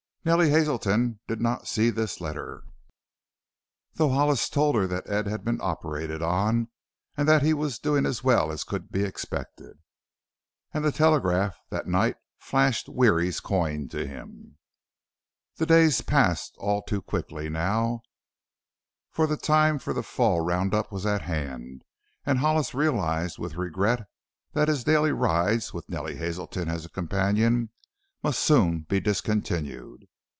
Nellie Hazelton did not see this letter, though Hollis told her that Ed had been operated on and that he was doing as well as could be expected. And the telegraph that night flashed Weary's "coin" to him. The days passed all too quickly now, for the time for the fall round up was at hand and Hollis realized with regret that his daily rides with Nellie Hazelton as a companion must soon be discontinued.